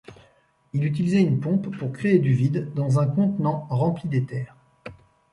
Il utilisait une pompe pour crée du vide dans un contenant rempli d’éther.